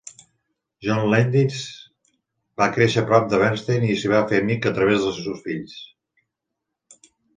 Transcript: John Landis va créixer a prop de Bernstein i s'hi va fer amic a través dels seus fills.